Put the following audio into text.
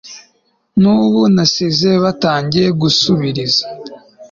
n'ubu nasize batangiye gusubiriza